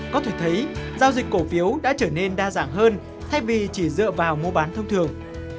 có thể thấy giao dịch cổ phiếu đã trở nên đa dạng hơn thay vì chỉ dựa vào mua bán thông thường